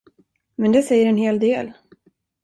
Men det säger en hel del.